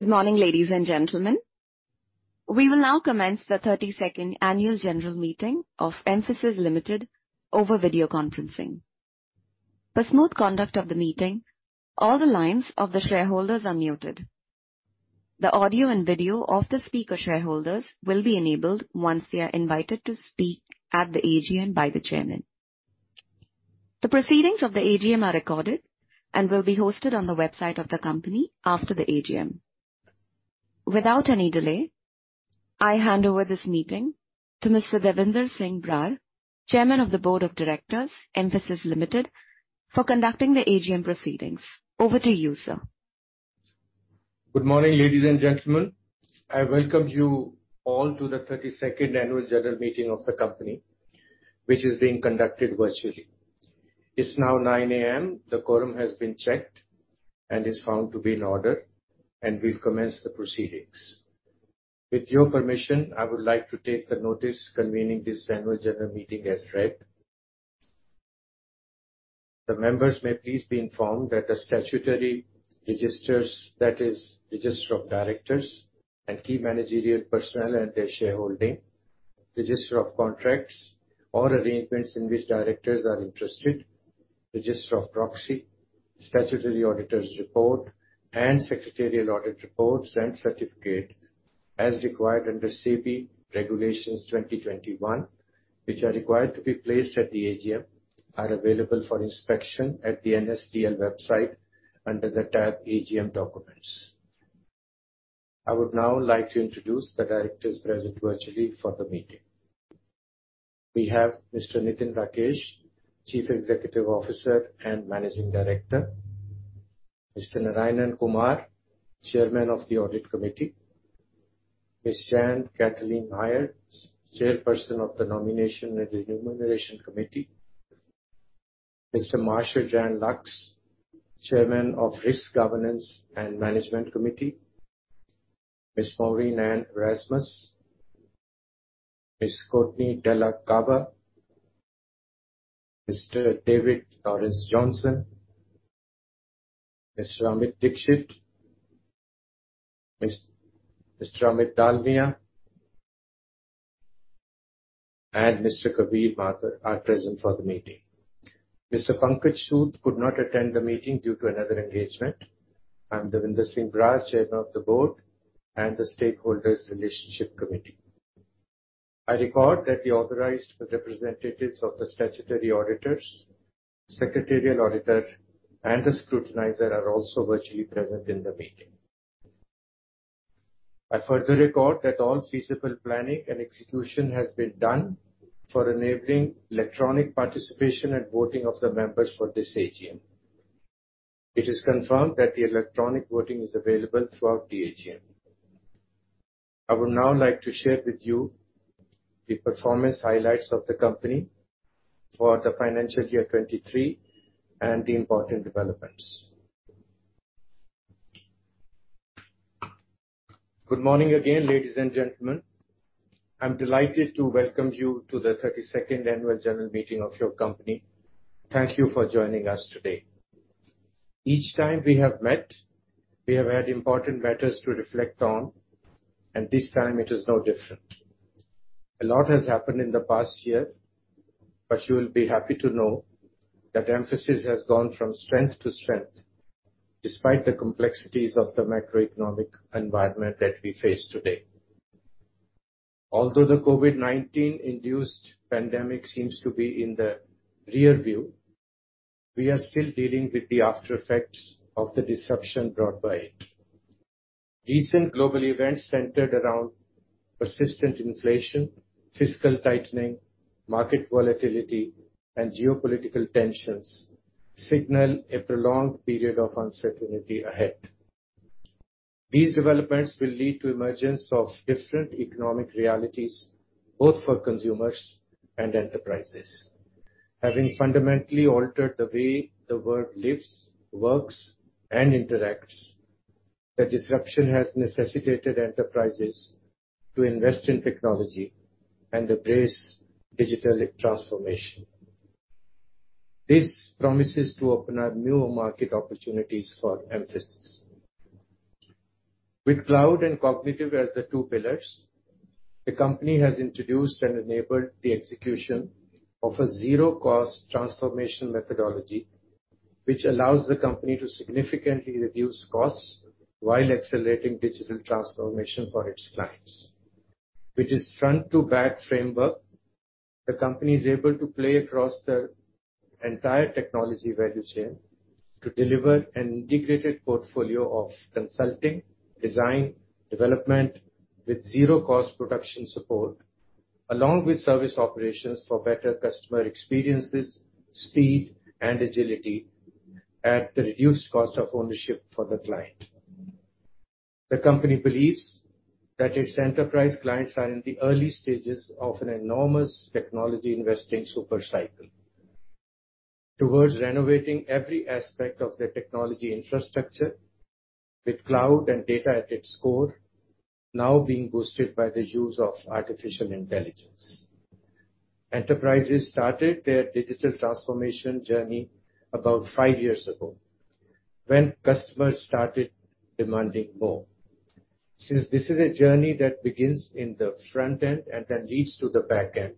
Good morning, ladies and gentlemen. We will now commence the 32nd Annual General Meeting of Mphasis Limited over video conferencing. For smooth conduct of the meeting, all the lines of the shareholders are muted. The audio and video of the speaker shareholders will be enabled once they are invited to speak at the AGM by the Chairman. The proceedings of the AGM are recorded and will be hosted on the website of the company after the AGM. Without any delay, I hand over this meeting to Mr. Davinder Singh Brar, Chairman of the Board of Directors, Mphasis Limited, for conducting the AGM proceedings. Over to you, sir. Good morning, ladies and gentlemen. I welcome you all to the 32nd Annual General Meeting of the company, which is being conducted virtually. It's now 9:00 A.M. The quorum has been checked and is found to be in order, and we'll commence the proceedings. With your permission, I would like to take the notice convening this Annual General Meeting as read. The members may please be informed that the statutory registers, that is, register of directors and key managerial personnel and their shareholding, register of contracts or arrangements in which directors are interested, register of proxy, statutory auditor's report, and secretarial audit reports and certificate as required under SEBI Regulations, 2021, which are required to be placed at the AGM, are available for inspection at the NSDL website under the tab AGM Documents. I would now like to introduce the directors present virtually for the meeting. We have Mr. Nitin Rakesh, Chief Executive Officer and Managing Director, Mr. Narayanan Kumar, Chairman of the Audit Committee, Ms. Joanne Kathleen Myers, Chairperson of the Nomination and Remuneration Committee, Mr. Marshall Jan Lux, Chairman of Risk Governance and Management Committee, Ms. Maureen Ann Erasmus, Ms. Courtney Della Cava, Mr. David Lawrence Johnson, Mr. Amit Dixit, Mr. Amit Dalmia, and Mr. Kabir Mathur are present for the meeting. Mr. Pankaj Sood could not attend the meeting due to another engagement. I'm Davinder Singh Brar, Chairman of the Board and the Stakeholders Relationship Committee. I record that the authorized representatives of the statutory auditors, secretarial auditor, and the scrutinizer are also virtually present in the meeting. I further record that all feasible planning and execution has been done for enabling electronic participation and voting of the members for this AGM. It is confirmed that the electronic voting is available throughout the AGM. I would now like to share with you the performance highlights of the company for the financial year 2023 and the important developments. Good morning again, ladies and gentlemen. I'm delighted to welcome you to the 32nd Annual General Meeting of your company. Thank you for joining us today. Each time we have met, we have had important matters to reflect on. This time it is no different. A lot has happened in the past year. You will be happy to know that Mphasis has gone from strength to strength despite the complexities of the macroeconomic environment that we face today. Although the COVID-19 induced pandemic seems to be in the rear view, we are still dealing with the aftereffects of the disruption brought by it. Recent global events centered around persistent inflation, fiscal tightening, market volatility, and geopolitical tensions signal a prolonged period of uncertainty ahead. These developments will lead to emergence of different economic realities, both for consumers and enterprises. Having fundamentally altered the way the world lives, works, and interacts, the disruption has necessitated enterprises to invest in technology and embrace digital transformation. This promises to open up new market opportunities for Mphasis. With cloud and cognitive as the two pillars, the company has introduced and enabled the execution of a Zero Cost Transformation methodology, which allows the company to significantly reduce costs while accelerating digital transformation for its clients. With this front-to-back framework, the company is able to play across the entire technology value chain to deliver an integrated portfolio of consulting, design, development, with zero-cost production support, along with service operations for better customer experiences, speed, and agility at the reduced cost of ownership for the client. The company believes that its enterprise clients are in the early stages of an enormous technology investing super cycle towards renovating every aspect of their technology infrastructure, with cloud and data at its core now being boosted by the use of artificial intelligence.... enterprises started their digital transformation journey about five years ago, when customers started demanding more. Since this is a journey that begins in the front end and then leads to the back end,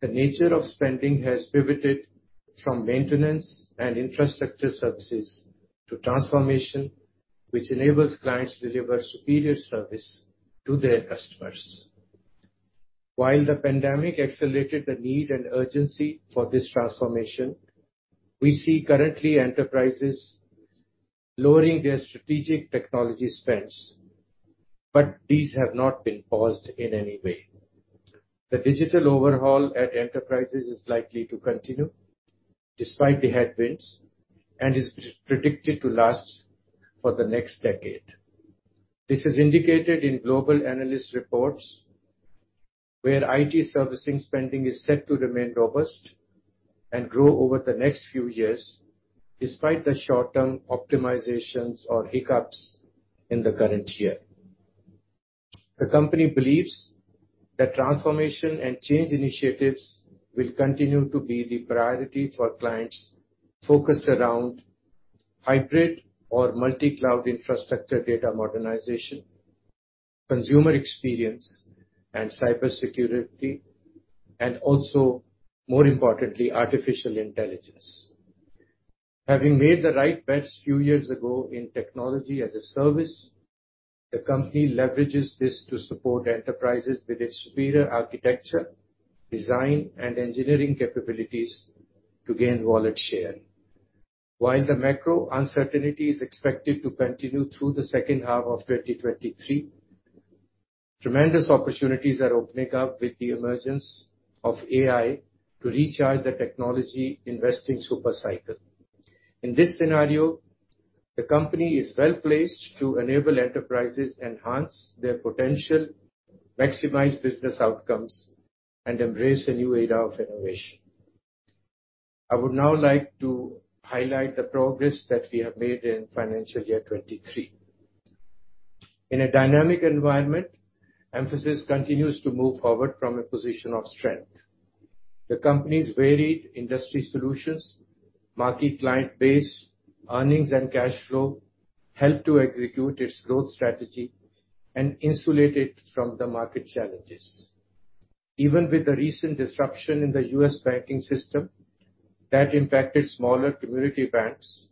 the nature of spending has pivoted from maintenance and infrastructure services to transformation, which enables clients to deliver superior service to their customers. While the pandemic accelerated the need and urgency for this transformation, we see currently enterprises lowering their strategic technology spends, but these have not been paused in any way. The digital overhaul at enterprises is likely to continue despite the headwinds, and is predicted to last for the next decade. This is indicated in global analyst reports, where IT servicing spending is set to remain robust and grow over the next few years, despite the short-term optimizations or hiccups in the current year. The company believes that transformation and change initiatives will continue to be the priority for clients focused around hybrid or multi-cloud infrastructure data modernization, consumer experience and cybersecurity, and also, more importantly, artificial intelligence. Having made the right bets few years ago in technology as a service, the company leverages this to support enterprises with its superior architecture, design, and engineering capabilities to gain wallet share. While the macro uncertainty is expected to continue through the second half of 2023, tremendous opportunities are opening up with the emergence of AI to recharge the technology investing super cycle. In this scenario, the company is well-placed to enable enterprises enhance their potential, maximize business outcomes, and embrace a new era of innovation. I would now like to highlight the progress that we have made in financial year 2023. In a dynamic environment, Mphasis continues to move forward from a position of strength. The company's varied industry solutions, market client base, earnings, and cash flow help to execute its growth strategy and insulate it from the market challenges. Even with the recent disruption in the U.S. banking system that impacted smaller community banks,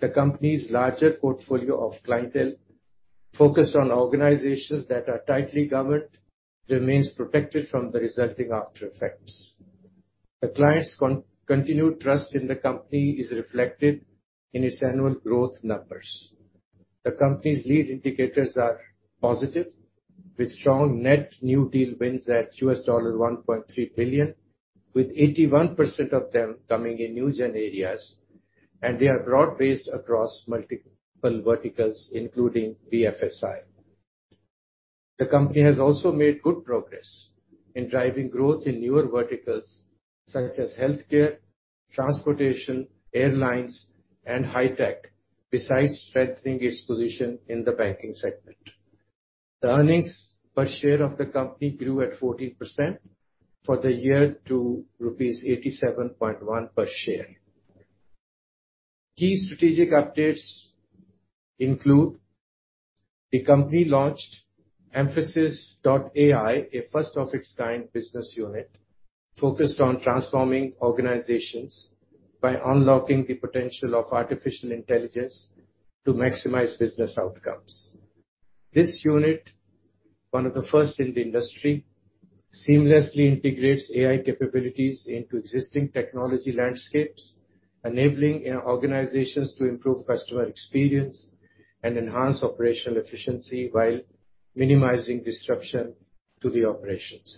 the company's larger portfolio of clientele, focused on organizations that are tightly governed, remains protected from the resulting after effects. The clients continued trust in the company is reflected in its annual growth numbers. The company's lead indicators are positive, with strong net new deal wins at $1.3 billion, with 81% of them coming in new gen areas, and they are broad-based across multiple verticals, including BFSI. The company has also made good progress in driving growth in newer verticals such as healthcare, transportation, airlines, and high tech, besides strengthening its position in the banking segment. The earnings per share of the company grew at 14% for the year to rupees 87.1 per share. Key strategic updates include, the company launched Mphasis.ai, a first-of-its-kind business unit focused on transforming organizations by unlocking the potential of artificial intelligence to maximize business outcomes. This unit, one of the first in the industry, seamlessly integrates AI capabilities into existing technology landscapes, enabling organizations to improve customer experience and enhance operational efficiency, while minimizing disruption to the operations.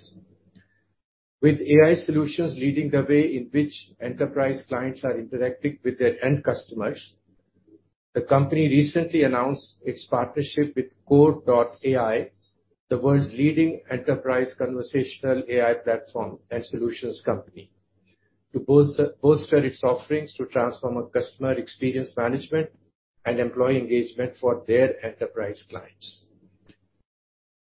With AI solutions leading the way in which enterprise clients are interacting with their end customers, the company recently announced its partnership with Kore.ai, the world's leading enterprise conversational AI platform and solutions company, to boost its offerings to transform our customer experience management and employee engagement for their enterprise clients.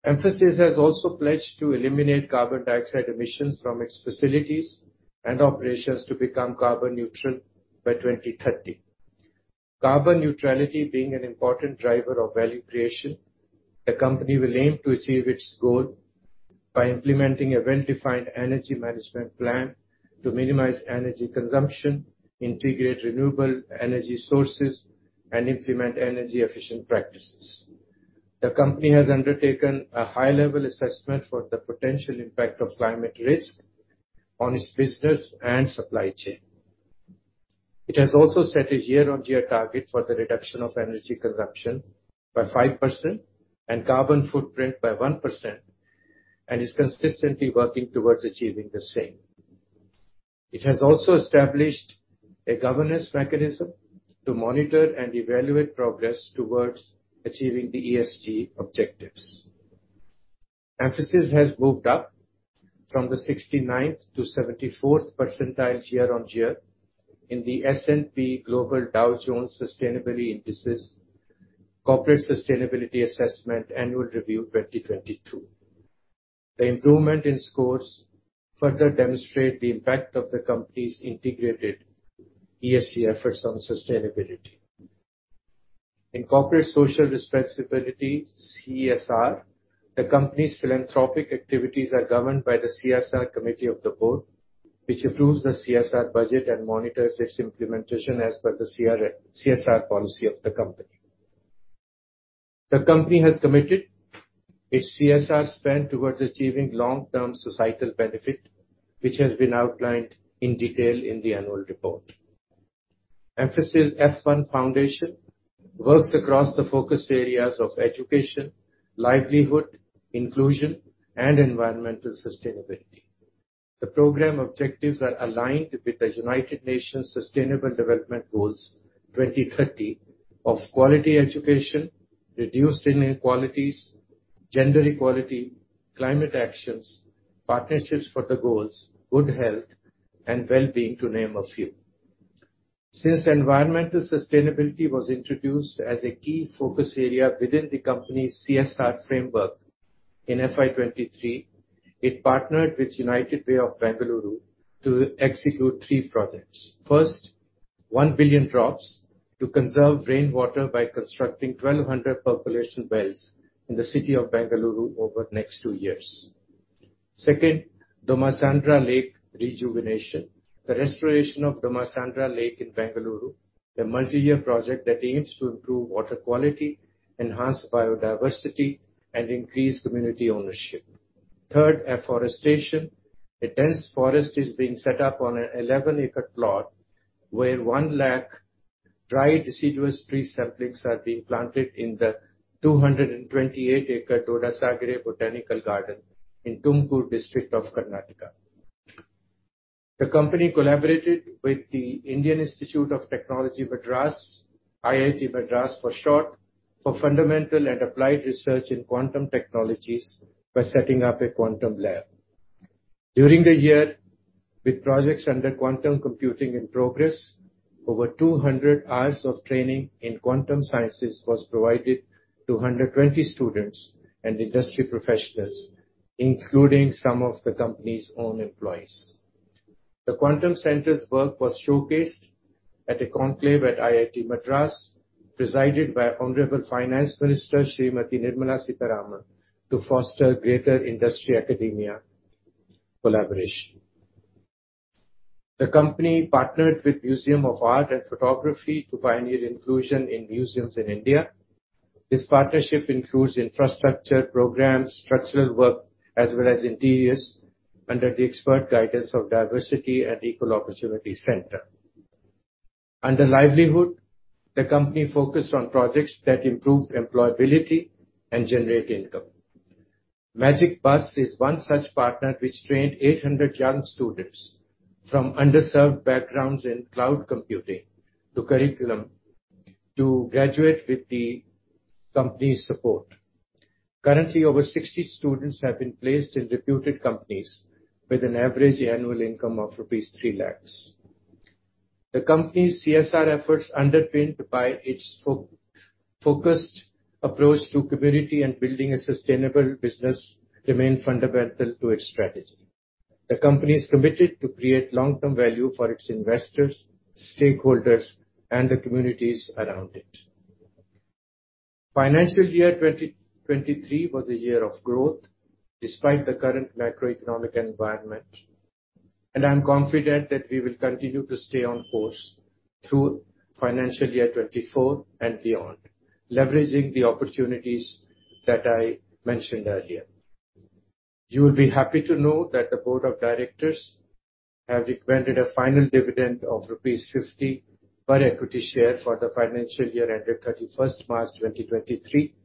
Mphasis has also pledged to eliminate carbon dioxide emissions from its facilities and operations to become carbon neutral by 2030. Carbon neutrality being an important driver of value creation, the company will aim to achieve its goal by implementing a well-defined energy management plan to minimize energy consumption, integrate renewable energy sources, and implement energy-efficient practices. The company has undertaken a high-level assessment for the potential impact of climate risk on its business and supply chain. It has also set a year-on-year target for the reduction of energy consumption by 5% and carbon footprint by 1%, and is consistently working towards achieving the same. It has also established a governance mechanism to monitor and evaluate progress towards achieving the ESG objectives. Mphasis has moved up from the 69th to 74th percentile year-on-year in the S&P Global Dow Jones Sustainability Indices corporate sustainability assessment annual review 2022. The improvement in scores further demonstrate the impact of the company's integrated ESG efforts on sustainability. In corporate social responsibility, CSR, the company's philanthropic activities are governed by the CSR committee of the board, which approves the CSR budget and monitors its implementation as per the CSR policy of the company. The company has committed its CSR spend towards achieving long-term societal benefit, which has been outlined in detail in the annual report. Mphasis F1 Foundation works across the focus areas of education, livelihood, inclusion, and environmental sustainability. The program objectives are aligned with the United Nations Sustainable Development Goals 2030 of quality education, reduced inequalities, gender equality, climate actions, partnerships for the goals, good health, and well-being, to name a few. Since environmental sustainability was introduced as a key focus area within the company's CSR framework in FY 23, it partnered with United Way of Bengaluru to execute three projects. First, One Billion Drops to conserve rainwater by constructing 1,200 percolation wells in the city of Bengaluru over the next 2 years. Second, Dommasandra Lake rejuvenation. The restoration of Dommasandra Lake in Bengaluru, a multi-year project that aims to improve water quality, enhance biodiversity, and increase community ownership. Third, afforestation. A dense forest is being set up on an 11-acre plot, where 1 lakh dry deciduous tree saplings are being planted in the 228-acre Doddasaggere Botanical Garden in Tumakuru district of Karnataka. The company collaborated with the Indian Institute of Technology Madras, IIT Madras, for short, for fundamental and applied research in quantum technologies by setting up a quantum lab. During the year, with projects under quantum computing in progress, over 200 hours of training in quantum sciences was provided to 120 students and industry professionals, including some of the company's own employees. The quantum center's work was showcased at a conclave at IIT Madras, presided by Honorable Finance Minister Srimati Nirmala Sitharaman, to foster greater industry-academia collaboration. The company partnered with Museum of Art & Photography to pioneer inclusion in museums in India. This partnership includes infrastructure programs, structural work, as well as interiors, under the expert guidance of Diversity and Equal Opportunity Center. Under livelihood, the company focused on projects that improved employability and generate income. Magic Bus is one such partner, which trained 800 young students from underserved backgrounds in cloud computing, the curriculum to graduate with the company's support. Currently, over 60 students have been placed in reputed companies with an average annual income of rupees 3 lakhs. The company's CSR efforts, underpinned by its focused approach to community and building a sustainable business, remain fundamental to its strategy. The company is committed to create long-term value for its investors, stakeholders, and the communities around it. Financial year 2023 was a year of growth despite the current macroeconomic environment. I'm confident that we will continue to stay on course through financial year 2024 and beyond, leveraging the opportunities that I mentioned earlier. You will be happy to know that the board of directors have recommended a final dividend of rupees 50 per equity share for the financial year ended 31st March 2023,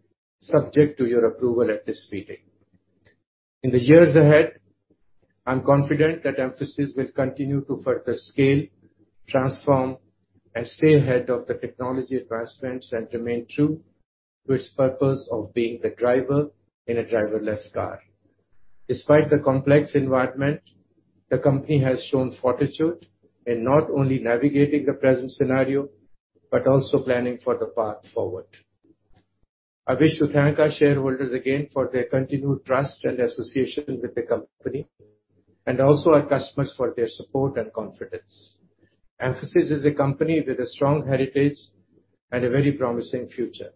subject to your approval at this meeting. In the years ahead, I'm confident that Mphasis will continue to further scale, transform, and stay ahead of the technology advancements, and remain true to its purpose of being the driver in a driverless car. Despite the complex environment, the company has shown fortitude in not only navigating the present scenario, but also planning for the path forward. I wish to thank our shareholders again for their continued trust and association with the company, and also our customers for their support and confidence. Mphasis is a company with a strong heritage and a very promising future.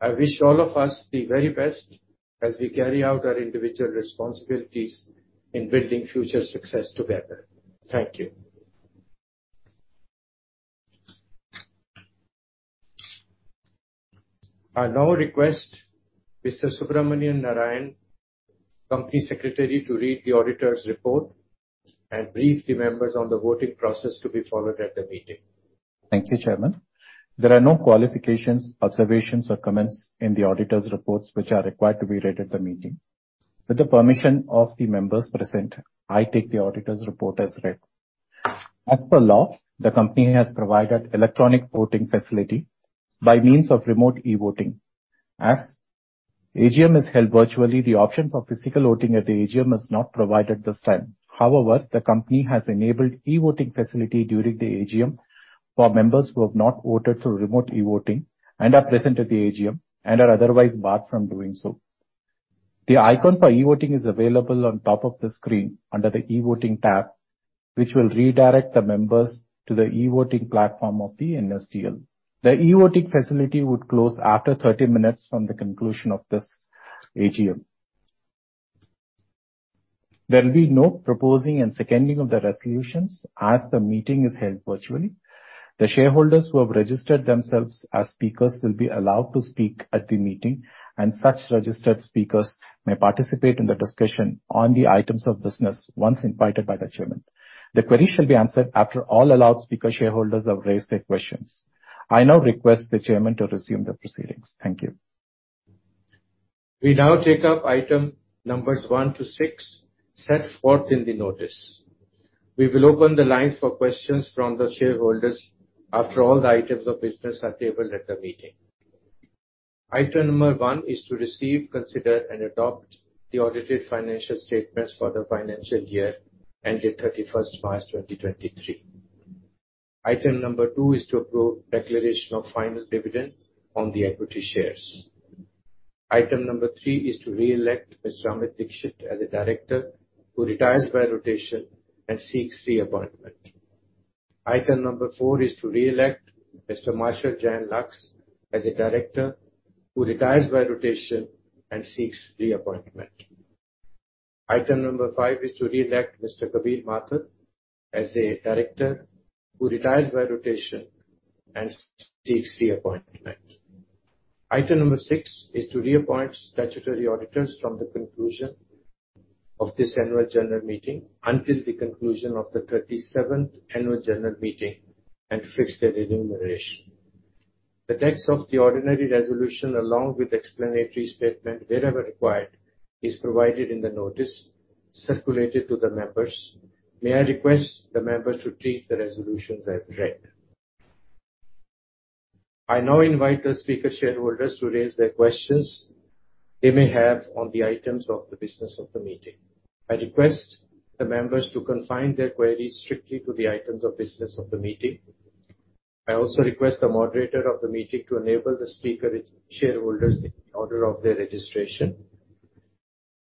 I wish all of us the very best as we carry out our individual responsibilities in building future success together. Thank you. I now request Mr. Subramanian Narayan, Company Secretary, to read the auditor's report and brief the members on the voting process to be followed at the meeting. Thank you, Chairman. There are no qualifications, observations, or comments in the auditor's reports which are required to be read at the meeting. With the permission of the members present, I take the auditor's report as read. As per law, the company has provided electronic voting facility by means of remote e-voting AGM is held virtually. The option for physical voting at the AGM is not provided this time. However, the company has enabled e-voting facility during the AGM for members who have not voted through remote e-voting and are present at the AGM and are otherwise barred from doing so. The icon for e-voting is available on top of the screen under the E-voting tab, which will redirect the members to the e-voting platform of the NSDL. The e-voting facility would close after 30 minutes from the conclusion of this AGM. There will be no proposing and seconding of the resolutions as the meeting is held virtually. The shareholders who have registered themselves as speakers will be allowed to speak at the meeting, and such registered speakers may participate in the discussion on the items of business once invited by the Chairman. The query shall be answered after all allowed speaker shareholders have raised their questions. I now request the Chairman to resume the proceedings. Thank you. We now take up item numbers one to six, set forth in the notice. We will open the lines for questions from the shareholders after all the items of business are tabled at the meeting. Item number one is to receive, consider and adopt the audited financial statements for the financial year ended 31st March, 2023. Item number two is to approve declaration of final dividend on the equity shares. Item number three is to re-elect Mr. Amit Dixit as a director, who retires by rotation and seeks re-appointment. Item number four is to re-elect Mr. Marshall Jen Lux as a director, who retires by rotation and seeks re-appointment. Item number five is to re-elect Mr. Kabir Mathur as a director, who retires by rotation and seeks re-appointment. Item number six is to reappoint statutory auditors from the conclusion of this annual general meeting until the conclusion of the 37th annual general meeting and fix their remuneration. The text of the ordinary resolution, along with explanatory statement, wherever required, is provided in the notice circulated to the members. May I request the members to treat the resolutions as read? I now invite the speaker shareholders to raise their questions they may have on the items of the business of the meeting. I request the members to confine their queries strictly to the items of business of the meeting. I also request the moderator of the meeting to enable the speaker shareholders in order of their registration.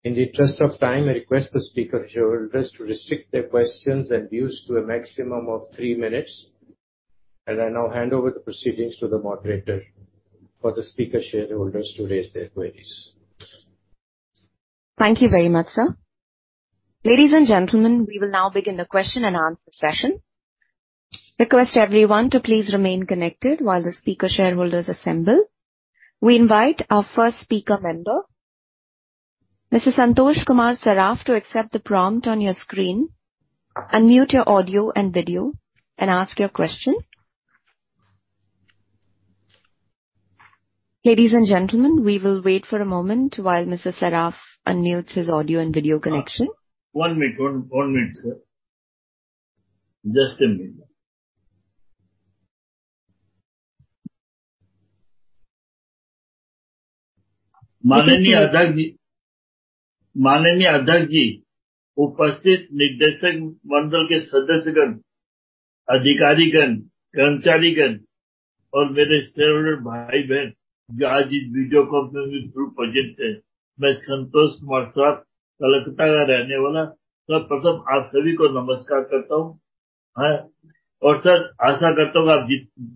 In the interest of time, I request the speaker shareholders to restrict their questions and views to a maximum of three minutes. I now hand over the proceedings to the moderator for the speaker shareholders to raise their queries. Thank you very much, sir. Ladies and gentlemen, we will now begin the question and answer session. Request everyone to please remain connected while the speaker shareholders assemble. We invite our first speaker member, Mr. Santosh Kumar Saraf, to accept the prompt on your screen, unmute your audio and video and ask your question. Ladies and gentlemen, we will wait for a momphasment while Mr. Saraf unmutes his audio and video connection. One minute, one minute, sir. Just a minute. माननीय अध्यक्ष जी, उपस्थित निदेशक मंडल के सदस्यगण, अधिकारीगण, कर्मचारीगण और मेरे shareholder भाई-बहन, जो आज इस वीडियो कॉन्फ्रेंसिंग में मौजूद हैं। मैं Santosh Kumar Saraf, Kolkata का रहने वाला। सर, प्रथम आप सभी को नमस्कार करता हूं। सर, आशा करता हूं, आप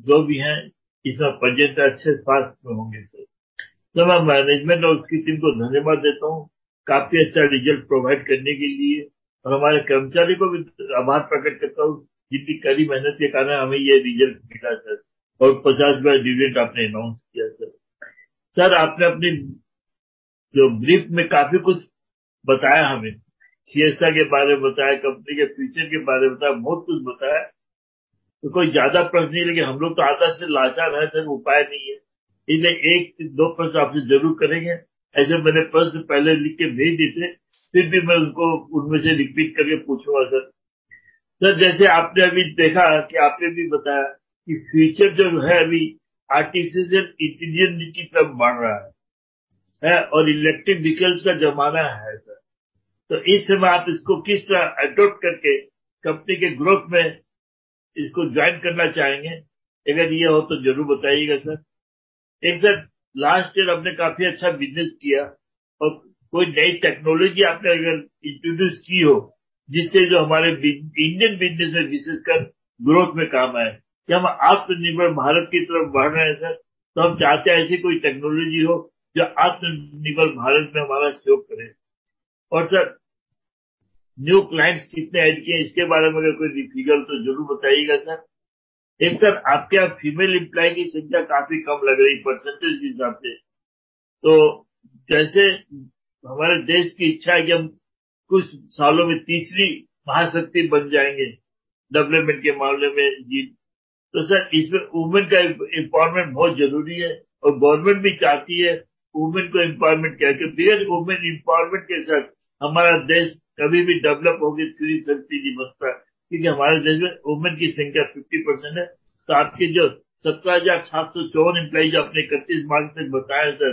जो भी हैं, इस project में अच्छे साथ में होंगे, सर। सर, मैं management और उसकी टीम को धन्यवाद देता हूं, काफी अच्छा result provide करने के लिए और हमारे कर्मचारी को भी आभार प्रकट करता हूं, जितनी कड़ी मेहनत के कारण हमें यह result मिला है सर और INR 50 dividend आपने announced किया है सर। सर, आपने अपनी brief में काफी कुछ बताया हमें, CSR के बारे में बताया, कंपनी के future के बारे में बताया, बहुत कुछ बताया। कोई ज्यादा प्रश्न नहीं, लेकिन हम लोग तो आधा से लाचार हैं सर, उपाय नहीं है। 1-2 प्रश्न आपसे जरूर करेंगे। ऐसे मैंने प्रश्न पहले लिख के भेज दिए थे, फिर भी मैं उनको उनमें से repeat करके पूछूंगा सर। सर, जैसे आपने अभी देखा कि आपने भी बताया कि future जो है, अभी Artificial Intelligence की समय आ रहा है और electric vehicle का जमाना है सर। इस समय आप इसको किस तरह adopt करके कंपनी के growth में इसको join करना चाहेंगे? अगर यह हो तो जरूर बताइएगा सर. एक सर, last year आपने काफी अच्छा business किया और कोई नई technology आपने अगर introduce की हो, जिससे जो हमारे Indian business में खासकर growth में काम आए. हम आत्मनिर्भर भारत की तरफ बढ़ रहे हैं सर, तो हम चाहते हैं ऐसी कोई technology हो, जो आत्मनिर्भर भारत में हमारा सहयोग करें. सर, new clients कितने add किए हैं, इसके बारे में कोई figure तो जरूर बताइएगा सर. एक सर, आपके यहां female employee की संख्या काफी कम लग रही है, percentage के हिसाब से. जैसे हमारे देश की इच्छा है कि हम कुछ सालों में third mahashakti बन जाएंगे, development के मामले में जो. सर, इसमें women का empowerment बहुत जरूरी है और government भी चाहती है women को empowerment करके, without women empowerment के साथ हमारा देश कभी भी develop और third shakti नहीं बन सकता, क्योंकि हमारे देश में women की संख्या 50% है. आपके जो 17,754 employee जो आपने March 31 में बताया सर,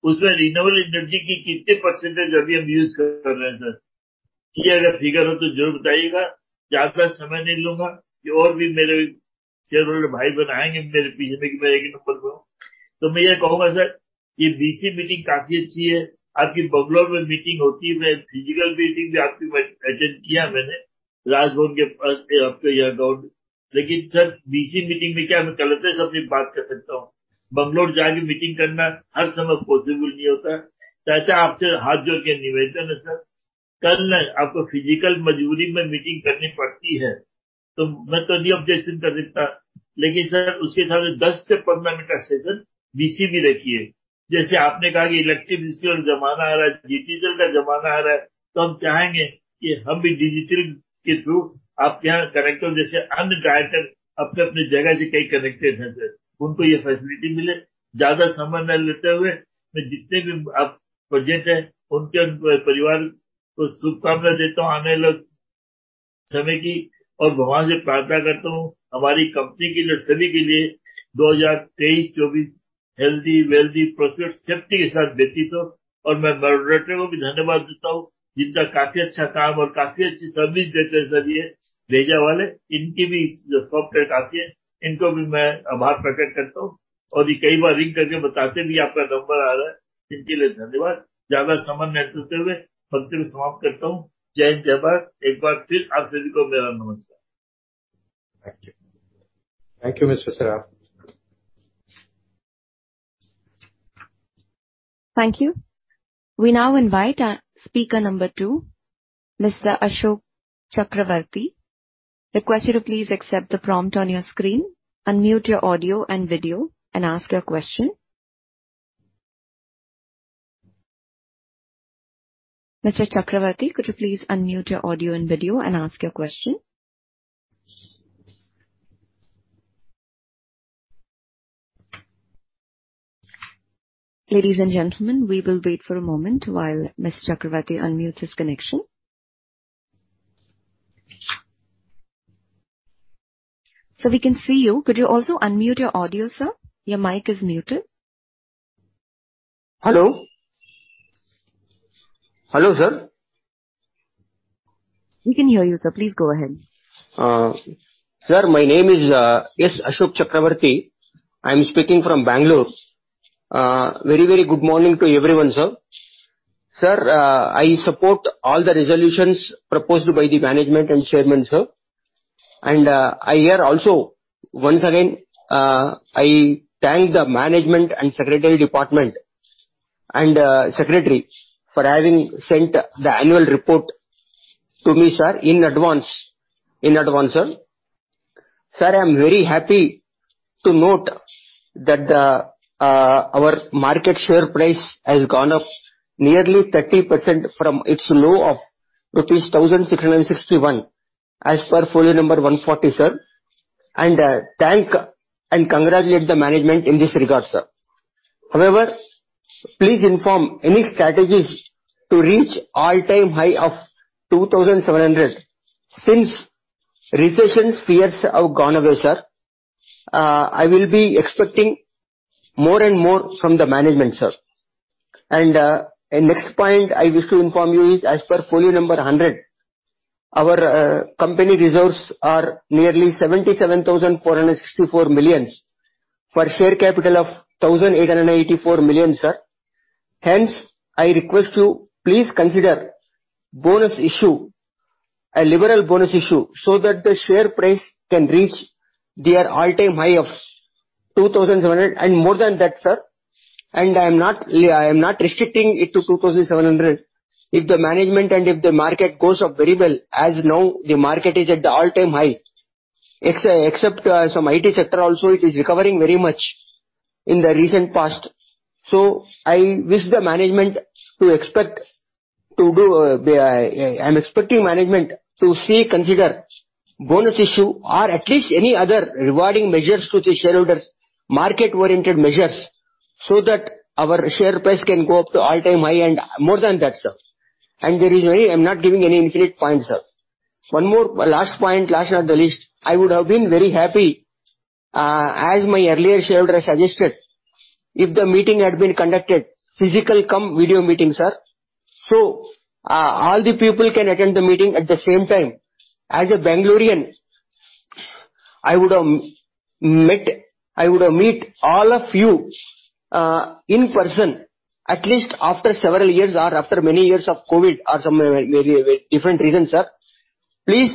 उसमें पर women. कितनी है और अभी क्या फ्यूचर में प्लान है, ये भी बताने की कोशिश करिएगा सर? आपने ESG के बारे में बताया सर, इसको कंपेयर के लिए भी बताया सर. मेरा 1 क्वेश्चन है, रिन्यूएबल एनर्जी, जो की टोटल इलेक्ट्रिसिटी यूज है, उसमें रिन्यूएबल एनर्जी की कितने % अभी हम यूज कर रहे हैं सर? ये अगर फिगर हो तो जरूर बताइएगा. ज्यादा समय नहीं लूंगा, और भी मेरे shareholder भाई बनाएंगे, मेरे पीछे में कि मैं 1 नंबर पर हूं. मैं यह कहूंगा सर, यह BC meeting काफी अच्छी है. आपकी Bengaluru में मीटिंग होती है. मैं फिजिकल मीटिंग भी आपकी अटेंड किया मैंने. Raj Bhavan के आपके यहां पर, लेकिन सर, BC meeting में क्या मैं कल से अपनी बात कह सकता हूं? बैंगलोर जाकर मीटिंग करना हर समय पॉसिबल नहीं होता। तो आपसे हाथ जोड़ के निवेदन है सर, कल आपको फिजिकल मजबूरी में मीटिंग करनी पड़ती है तो मैं तो नहीं ऑब्जेक्शन कर देता। लेकिन सर, उसके साथ में दस से पंद्रह मिनट का सेशन बीसी भी रखिए। जैसे आपने कहा कि इलेक्ट्रानिक और जमाना आ रहा है, डिजिटल का जमाना आ रहा है, तो हम चाहेंगे कि हम भी डिजिटल के थ्रू आपके यहां कनेक्ट जैसे अन्य डायरेक्टर अपनी अपनी जगह से कनेक्टेड हैं, उनको यह फैसिलिटी मिले। ज्यादा समय न लेते हुए मैं जितने भी आप प्रेजेन्ट हैं, उनके परिवार को शुभकामनाएं देता हूं आने वाले समय की और भगवान से प्रार्थना करता हूं, हमारी कंपनी के लिए सभी के लिए दो हज़ार तेईस चौबीस हेल्दी वेल्थी प्रॉफिट सेफ्टी के साथ बीततो और मैं को भी धन्यवाद देता हूं, जिनका काफी अच्छा काम और काफी अच्छी सर्विस देते हैं। सर ये भेजे वाले इनकी भी काफी है। नको भी मैं आभार प्रकट करता हूं और कई बार रिंग करके बताते भी हैं आपका नंबर आ रहा है, इनके लिए धन्यवाद। ज्यादा समय न लेते हुए myself समाप्त करता हूं। जय जय भारत! एक बार फिर आप सभी को मेरा नमस्कार। Thank you Mr. Saraf. Thank you. We now invite speaker number two, mister Ashok Chakravarti. Request to please accept the prompt on your screen, unmute your audio and video and ask your question. Mister Chakravarti, could you please unmute your audio and video and ask your question. Ladies and gentleman, we will wait for a moment, while mister Chakravarti unmute his connection. So we can see you, could you also unmute your audio sir, your mic is muted. Hello! Hello sir. We can hear you sir, please go ahead. Sir my name is S Ashok Chakravarti. I am speaking from Bangalore. Very very good morning to everyone sir. Sir, I support all the resolution proposed by the management and chairman sir. And I hear also once again, I thank the management and secretary department and secretary for having send the annual report to me sir, in advance, in advance sir. Sir, I am very happy to note that the our market share price has gone up nearly thirty percent from its low of rupees thousand six hundred sixty one, as per folio number one forty sir and thank and congratulation the management in this regard sir. However, please inform any strategies to reach all time high of two thousand seven hundred, since recession fears gone away sir. I will be expecting more and more from the management sir. And next point I wish to inform you is as per folio number hundred, our company resource are nearly seventy seven thousand four hundred sixty four million for share capital of thousand eight hundred eighty four million sir. Hence I request you please consider bonus issue and liberal bonus issue, so that the share price can reach the all time high of two thousand seven hundred and more than that sir and I am not, I am not restricting it to seven hundred. If the management and if the market goes up very well, as now the market is at all time high, except some IT sector also it is recovering very much in the recent past. So I wish the management to expect to do. I am expecting management to see consider bonus issue or at least any other rewarding measures to the shareholder market oriented measures, so that our share price can go up to all time high and more than that sir and the reason I am not giving any infinite point sir. One more last point, last not the list. I would have been very happy, as my early shareholder suggested, if the meeting has been conducted physical cum video meeting sir. So all the people can attend the meeting at the same time. As a Bangalorean, I would have met, I would meet all of you in person, at least after several years or after many years of covid or some very different reason sir. Please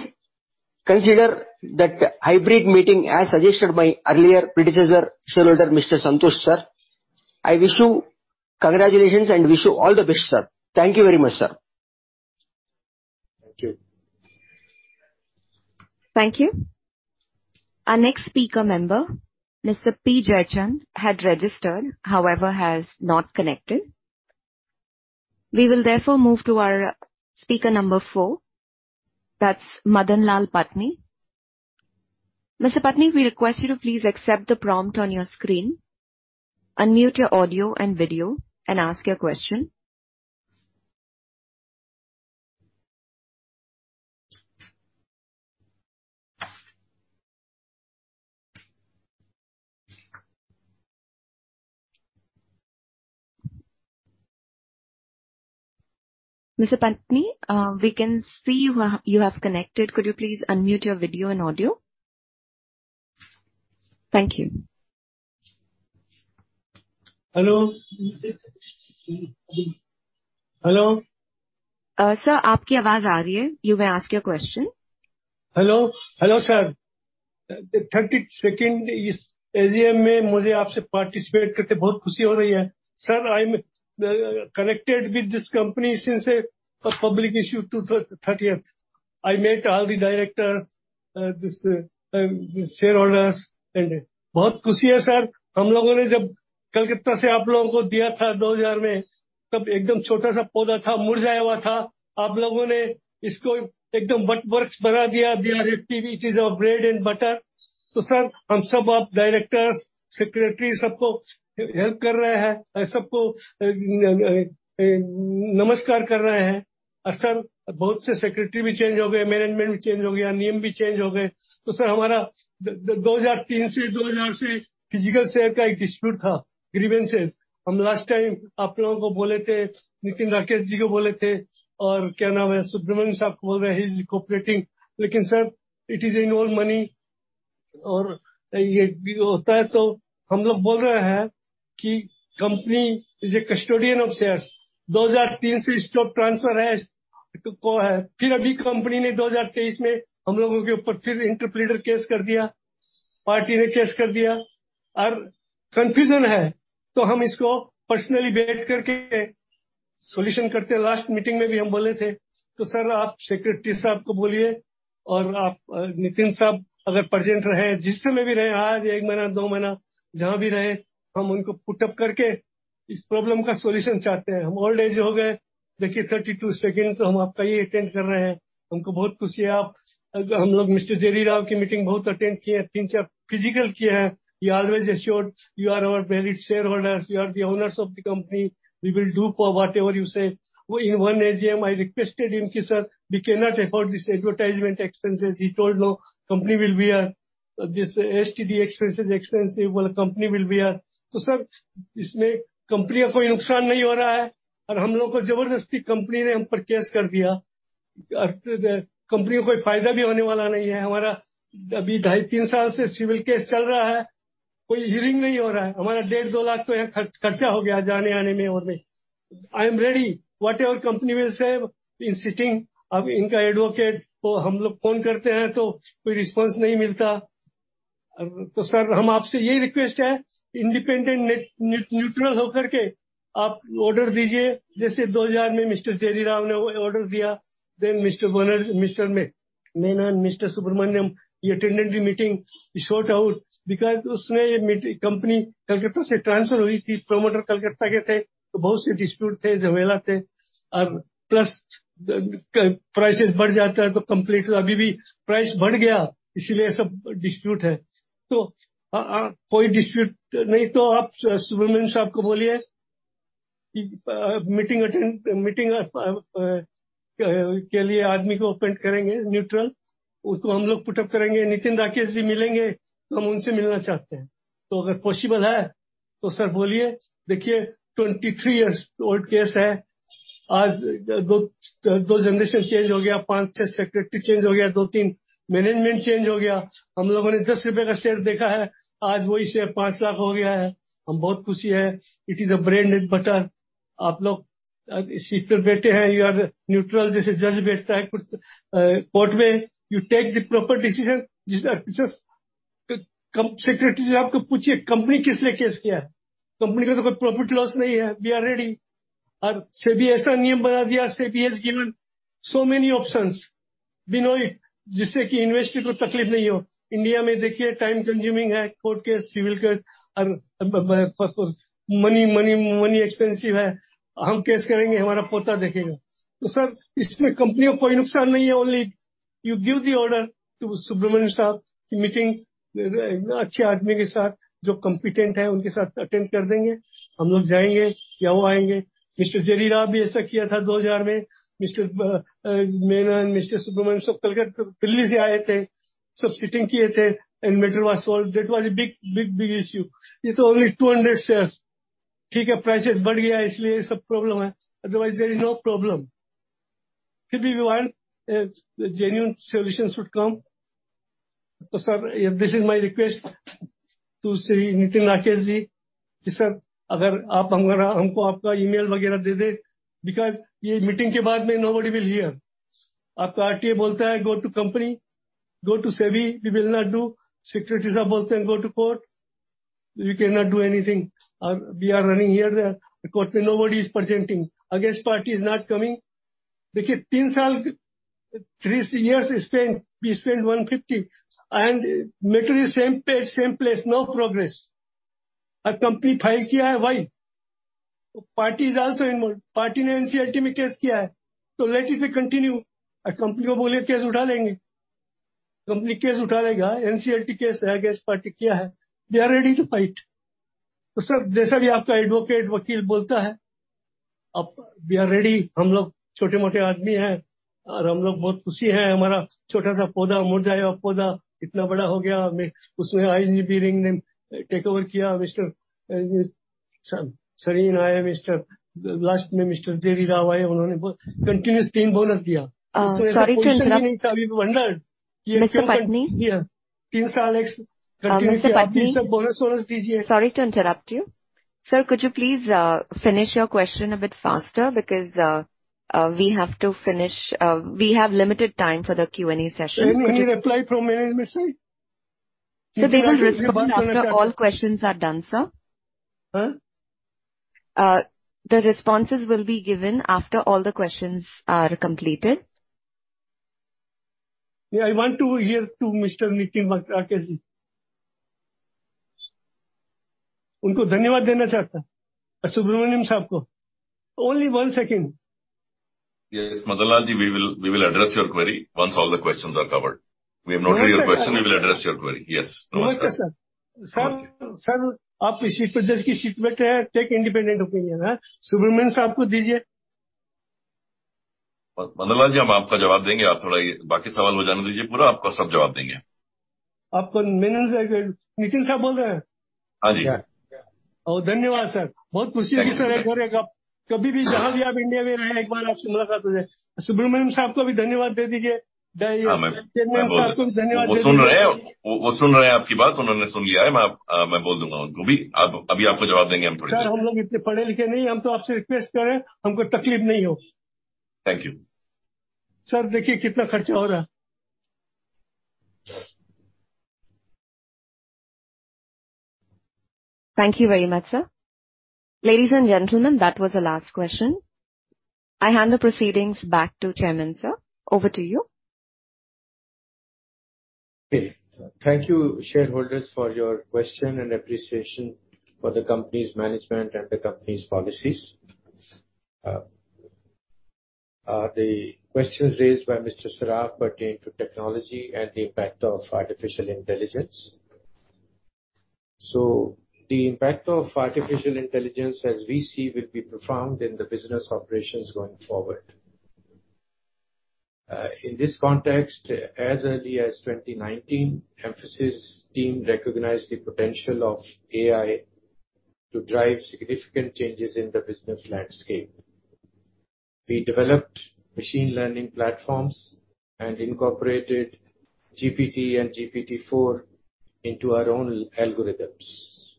consider that hybrid meeting as suggested by early predecessor shareholder mister Santosh sir. I wish you congratulation and wish you all the best sir. Thank you very much sir. Thank you. Thank you. Our next speaker member, Mr. P Jaychand has registered, however has not connected. We will therefore move to our speaker number 4, that's Madanlal Patni. Mr. Patni, we request you to please accept the prompt on your screen, unmute your audio and video and ask your question. Mr. Patni, we can see you have connected! Could you please unmute your video and audio. Thank you. Hello! Hello. Sir, आपकी आवाज आ रही है। You may ask your question. Hello, hello sir! Thirty second इस AGM में मुझे आपसे participate करके बहुत खुशी हो रही है। Sir, I am connected with this company since a public issue to thirtieth. I met all the directors, this shareholders and बहुत खुशी है सर। हम लोगों ने जब कोलकाता से आप लोगों को दिया था, दो हज़ार में, तब एकदम छोटा सा पौधा था, मुरझाया हुआ था। आप लोगों ने इसको एकदम वर्क बना दिया। We are happy, it is our bread and butter. तो सर, हम सब आप डायरेक्टर्स, सेक्रेटरी सबको हेल्प कर रहे हैं। सबको नमस्कार कर रहे हैं और सर बहुत से सेक्रेटरी भी चेंज हो गए, मैनेजमेंट भी चेंज हो गया, नियम भी चेंज हो गए। तो सर हमारा दो हज़ार तीन से दो हज़ार से फिजिकल शेयर का एक डिसप्यूट था। ग्रिवेंस से हम लास्ट टाइम आप लोगों को बोले थे, नितिन राकेश जी को बोले थे और क्या नाम है सुब्रह्मण्यम साहब को बोल रहे हैं, ही इज कोपरेटिंग। लेकिन sir, it is in all money और ये होता है तो हम लोग बोल रहे हैं कि company is a custodian of shares. दो हज़ार तीन से स्टॉप ट्रांसफर है तो को है। फिर अभी कंपनी ने दो हज़ार तेईस में हम लोगों के ऊपर फिर इंटरप्रिटर केस कर दिया। पार्टी ने केस कर दिया और कन्फ्यूजन है तो हम इसको पर्सनली बैठ करके सोल्यूशन करते हैं। लास्ट मीटिंग में भी हम बोले थे तो सर, आप सेक्रेटरी साहब को बोलिए और आप नितिन साहब अगर प्रेजेंट रहे, जिस समय भी रहे, आज एक महीना, दो महीना जहां भी रहे, हम उनको पुट अप करके इस प्रॉब्लम का सोल्यूशन चाहते हैं। हम ओल्ड एज हो गए। देखिए, थर्टी टू सेकंड तो हम आपका ही अटेंड कर रहे हैं। हमको बहुत खुशी है। आप हम लोग मिस्टर जेरी राव की मीटिंग बहुत अटेंड किए हैं, फिजिकल किया है। You always assured, you are our valid shareholder, you are the owners of the company. We will do for whatever you say. In one AGM, I requested him कि sir, we can not afford this advertisement expense. He told no company will bear this STD expense, expensive company will bear. तो sir, इसमें company को कोई नुकसान नहीं हो रहा है और हम लोग को जबरदस्ती कंपनी ने हम पर केस कर दिया। कंपनी को कोई फायदा भी होने वाला नहीं है। हमारा अभी ढाई तीन साल से सिविल केस चल रहा है। कोई हियरिंग नहीं हो रहा है। हमारा डेढ़ दो लाख का खर्चा हो गया है जाने आने में और में। I am ready whatever company will say in sitting. अब इनका एडवोकेट को हम लोग फोन करते हैं तो कोई रिस्पांस नहीं मिलता। तो सर, हम आपसे यह रिक्वेस्ट है इंडिपेंडेंट न्यूट्रल होकर के आप ऑर्डर दीजिएे, जैसे दो हज़ार में मिस्टर चेरी राव ने ऑर्डर दिया। Then mister Banerjee, mister Menon, mister Subramaniam ये attendant meeting short out, because उसने यह मीटिंग कंपनी कोलकाता से ट्रांसफर हुई थी। प्रमोटर कोलकाता के थे तो बहुत से डिसप्यूट थे, झमेला थे और प्लस प्राइस बढ़ जाता है तो कंपलीट अभी भी प्राइस बढ़ गया। इसलिए सब डिसप्यूट है तो कोई डिसप्यूट नहीं तो आप सुब्रह्मण्यम साहब को बोलिए कि मीटिंग अटेंड मीटिंग के लिए आदमी को अपोइंट करेंगे। न्यूट्रल उसको हम लोग पुट अप करेंगे। नितिन राकेश जी मिलेंगे, हम उनसे मिलना चाहते हैं। तो अगर पॉसिबल है तो सर बोलिए। देखिए, twenty three years old case है। आज दो दो जनरेशन चेंज हो गया। पांच से सेक्रेटरी चेंज हो गया, दो तीन मैनेजमेंट चेंज हो गया। हम लोगों ने दस रुपए का शेयर देखा है, आज वही शेयर पांच लाख हो गया है। हम बहुत खुशी है। It is a bread and butter. आप लोग इस पर बैठे हैं। You are neutral. जैसे जज बैठता है कोर्ट में you take the proper decision. जैसे सेक्रेटरी साहब को पूछिए, कंपनी किसने केस किया है? कंपनी का तो कोई प्रॉफिट लॉस नहीं है। We are ready. SEBI ऐसा नियम बना दिया। SEBI has given so many option we know it, जिससे कि इन्वेस्टर्स को तकलीफ नहीं हो। इंडिया में देखिए, टाइम कंज्यूमिंग है। Court case civil case and money money money expensive है। हम केस करेंगे, हमारा पोता देखेगा। सर, इसमें कंपनी को कोई नुकसान नहीं है। Only you give the order to Subramanian Narayan साहब। मीटिंग अच्छे आदमी के साथ जो कंपिटेंट है, उनके साथ अटेंड कर देंगे। हम लोग जाएंगे या वो आएंगे। Mr. Jerry Rao भी ऐसा किया था। 2000 में Mr. Menon, Mr. Subramanian Narayan, सब कोलकाता दिल्ली से आए थे। सब सिटिंग किए थे and matter was solved. That was big big big issue. ये तो ओनली 200 शेयर्स। ठीक है, प्राइस बढ़ गया है, इसलिए सब प्रॉब्लम है। Otherwise there is no problem. We want genuine solutions should come. Sir, this is my request to Shri Nitin Rakesh ji कि सर, अगर आप हमको आपका ईमेल वगैरह दे दें, बिकॉज़ ये मीटिंग के बाद में नोबody विल हियर। आपका RTI बोलता है, go to company, go to SEBI, we will not do. Secretary साहब बोलते हैं, go to court, we can not do anything. We are running here. Court में nobody is presenting, against party is not coming. देखिए, 3,000 three years spent, we spent INR 150 and matter same page, same place, no progress. Company file किया है। Why? Party is also involved. Party ne NCLT me case kiya hai, let it be continue. Company ko bole case utha lenge. Company case utha lega, NCLT case hai, against party kiya hai. We are ready to fight. Sir, jaisa bhi aapka advocate, vakeel bolta hai, aap we are ready. Hum log chhote mote aadmi hai aur hum log bahut khushi hai. Hamara chhota sa poda murjhaya hua poda itna bada ho gaya. Usme INB Ring ne takeover kiya. Mr. Sarin aaye, Mr. Last mein Mr. Jerry Rao aaye. Unhone continuous 3 bonus diya. Sorry to interrupt. Abhi to vandana. Mr. Patni. Ya, three years Mr. Patni. Bonus vonus dijiye. Sorry to interrupt you. Sir, could you please finish your question a bit faster? Because we have to finish, we have limited time for the Q&A session. Any reply from management side? Sir, they will respond after all questions are done, sir. Huh? The responses will be given after all the questions are completed. Yeah, I want to hear to Mr. Nitin Rakesh Ji. Unko dhanyavad dena chahta hoon, Subramaniam sahab ko. Only one second. Yes, Madanlal Patni Ji, we will address your query once all the questions are covered. We have noted your question. Dhanyavad sir. We will address your query. Yes. Namaskar. Sir, sir, aap is seat per just ki seat belt hai. Take independent opinion, haan? Subramaniam sahab ko dijiye. Madanlal Patni Ji, hum aapka jawab denge. Aap thoda ye baaki sawal ho jane dijiye pura, aapka sab jawab denge. Aap Nitin sahab bol rahe hai? Haan ji. Oh, dhanyavad, sir. Bahut khushi hui, sir, ek baar ek aap. Kabhi bhi, jahan bhi aap India mein aaye, ek baar aapse mulakat ho jaye. Subramaniam sahab ko bhi dhanyavad de dijiye. Haan, main- Dhanyavad sahab ko dhanyavad de dijiye. Wo sun rahe hai. Wo sun rahe hai aapki baat. Unhone sun liya hai. Main bol dunga unko bhi. Ab, abhi aapko jawab denge hum thodi der mein. Sir, hum log itne padhe likhe nahi hai. Hum toh aapse request kar rahe hai, humko taklif nahi ho. Thank you. Sir, dekhiye kitna kharcha ho raha hai. Thank you very much, sir. Ladies and gentlemen, that was the last question. I hand the proceedings back to Chairman, sir. Over to you. Thank you, shareholders, for your question and appreciation for the company's management and the company's policies. The questions raised by Mr. Saraf pertain to technology and the impact of artificial intelligence. The impact of artificial intelligence, as we see, will be profound in the business operations going forward. In this context, as early as 2019, Mphasis team recognized the potential of AI to drive significant changes in the business landscape. We developed machine learning platforms and incorporated GPT and GPT-4 into our own algorithms.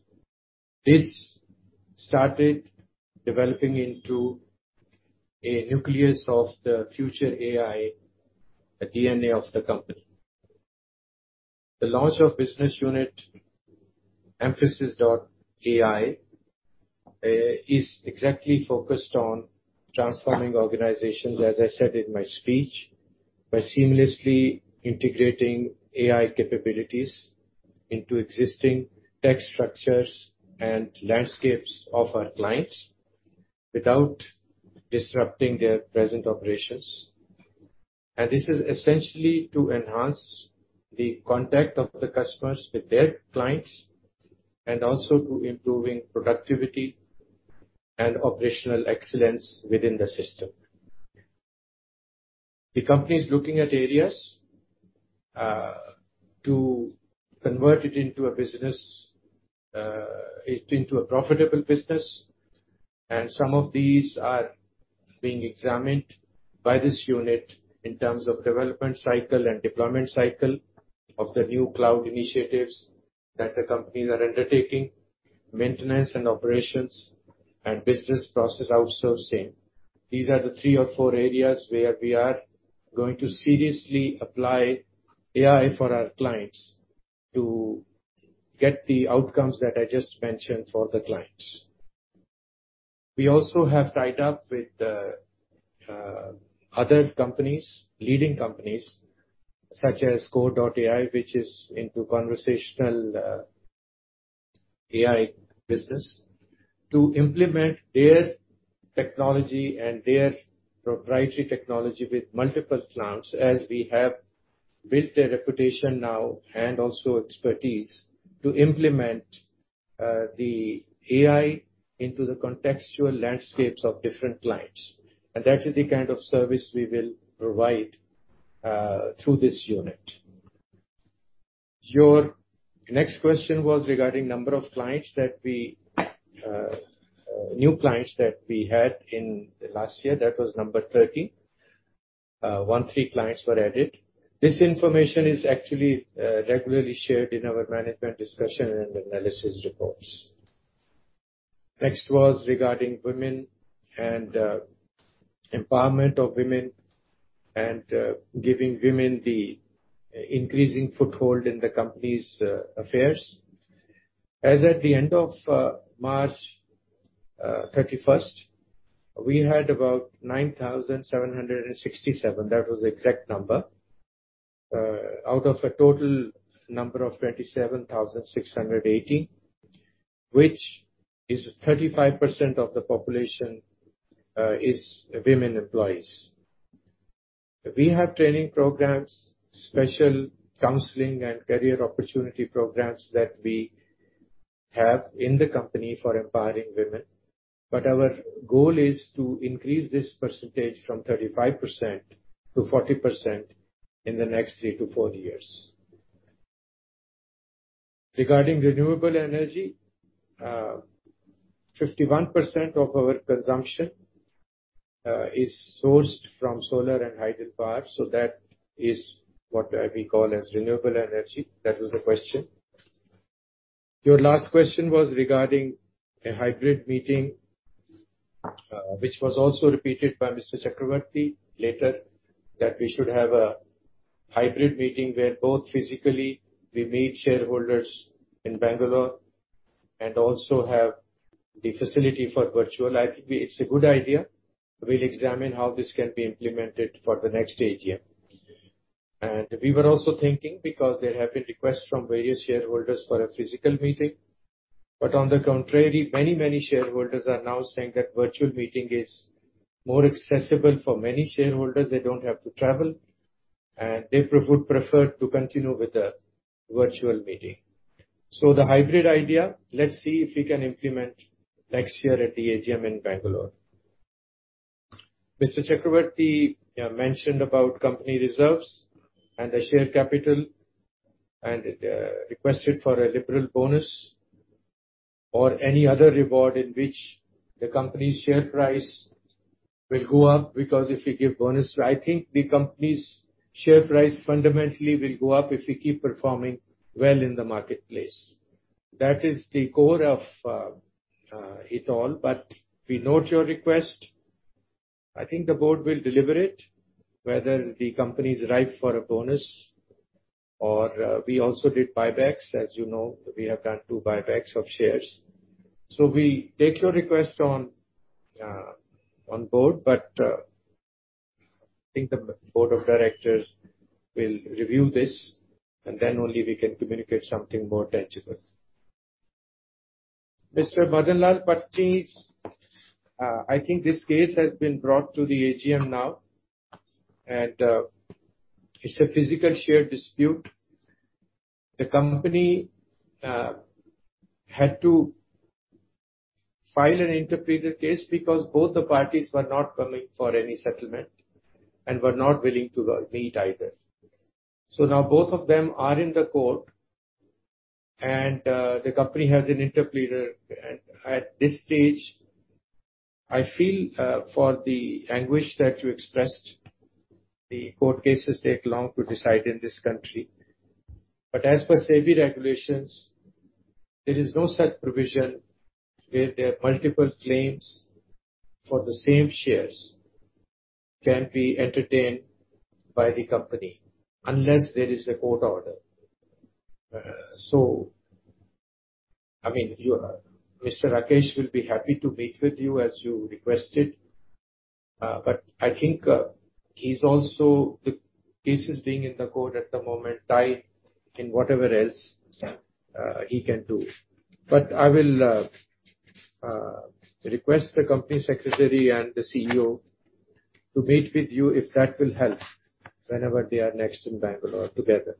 This started developing into a nucleus of the future AI, the DNA of the company. The launch of business unit, Mphasis.ai, is exactly focused on transforming organizations, as I said in my speech, by seamlessly integrating AI capabilities into existing tech structures and landscapes of our clients without disrupting their present operations. This is essentially to enhance the contact of the customers with their clients and also to improving productivity and operational excellence within the system. The company is looking at areas to convert it into a business into a profitable business, and some of these are being examined by this unit in terms of development cycle and deployment cycle of the new cloud initiatives that the companies are undertaking, maintenance and operations and business process outsourcing. These are the three or four areas where we are going to seriously apply AI for our clients to get the outcomes that I just mentioned for the clients. We also have tied up with other companies, leading companies such as Kore.ai, which is into conversational AI business, to implement their technology and their proprietary technology with multiple clients, as we have built a reputation now and also expertise to implement the AI into the contextual landscapes of different clients. That is the kind of service we will provide through this unit. Your next question was regarding number of clients that we new clients that we had in the last year. That was 13. 13 clients were added. This information is actually regularly shared in our management discussion and analysis reports. Next was regarding women and empowerment of women and giving women the increasing foothold in the company's affairs. As at the end of March 31st, we had about 9,767, that was the exact number. Out of a total number of 27,680, which is 35% of the population, is women employees. We have training programs, special counseling, and career opportunity programs that we have in the company for empowering women. Our goal is to increase this percentage from 35% to 40% in the next three-four years. Regarding renewable energy, 51% of our consumption is sourced from solar and hydro power. That is what we call as renewable energy. That was the question. Your last question was regarding a hybrid meeting, which was also repeated by Mr. Chakravarty later, that we should have a hybrid meeting where both physically we meet shareholders in Bangalore and also have the facility for virtual. I think it's a good idea. We'll examine how this can be implemented for the next AGM. We were also thinking, because there have been requests from various shareholders for a physical meeting, but on the contrary, many shareholders are now saying that virtual meeting is more accessible for many shareholders. They don't have to travel, and they would prefer to continue with the virtual meeting. The hybrid idea, let's see if we can implement next year at the AGM in Bangalore. Mr. Chakravarti, you mentioned about company reserves and the share capital, and requested for a liberal bonus or any other reward in which the company's share price will go up, because if we give bonus... I think the company's share price fundamentally will go up if we keep performing well in the marketplace. That is the core of it all. We note your request. I think the board will deliberate whether the company is ripe for a bonus or we also did buybacks. As you know, we have done two buybacks of shares. We take your request on board. I think the board of directors will review this, only we can communicate something more tangible. Mr. Madan Lal Patni, I think this case has been brought to the AGM now. It's a physical share dispute. The company had to file an interpleader case because both the parties were not coming for any settlement and were not willing to meet either. Now both of them are in the court, the company has an interpleader. At this stage, I feel, for the anguish that you expressed, the court cases take long to decide in this country. As per SEBI Regulations, there is no such provision where there are multiple claims for the same shares, can be entertained by the company unless there is a court order. I mean, Mr. Rakesh will be happy to meet with you, as you requested, I think, the case is being in the court at the moment, tied in whatever else he can do. I will request the Company Secretary and the CEO to meet with you if that will help, whenever they are next in Bengaluru together.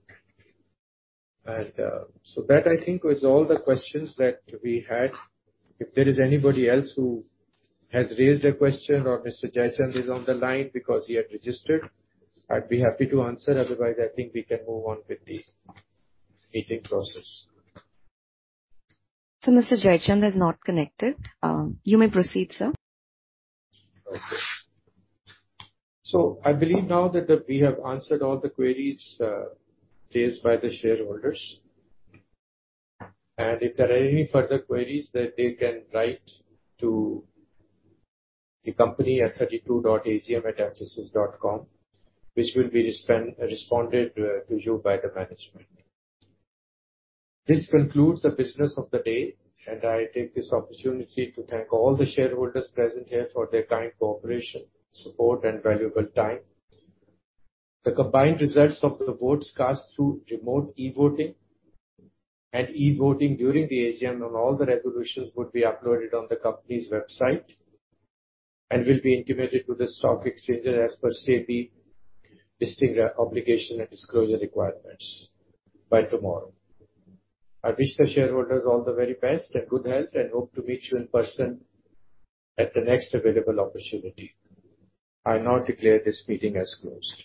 That, I think, is all the questions that we had. If there is anybody else who has raised a question, or Mr. Jaychand is on the line because he had registered, I'd be happy to answer. I think we can move on with the meeting process. Mr. Jaychand is not connected. You may proceed, sir. I believe now that we have answered all the queries raised by the shareholders. If there are any further queries that they can write to the company at 32.agm@mphasis.com, which will be responded to you by the management. This concludes the business of the day, and I take this opportunity to thank all the shareholders present here for their kind cooperation, support, and valuable time. The combined results of the votes cast through remote e-voting and e-voting during the AGM on all the resolutions would be uploaded on the company's website and will be intimated to the stock exchange as per SEBI listing obligation and disclosure requirements by tomorrow. I wish the shareholders all the very best and good health, and hope to meet you in person at the next available opportunity. I now declare this meeting as closed.